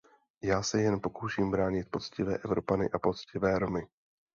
Já se jen pokouším bránit poctivé Evropany a poctivé Romy.